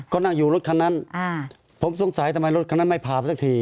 ก็นั่งอยู่รถคันนั้นผมสงสัยทำไมรถคันนั้นไม่พาไปสักที